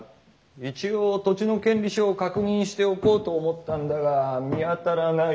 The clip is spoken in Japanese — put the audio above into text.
一応土地の権利書を確認しておこうと思ったんだが見当たらない。